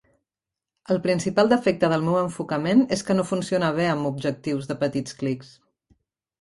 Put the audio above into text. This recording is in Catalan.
El principal defecte del meu enfocament és que no funciona bé amb objectius de petits clics.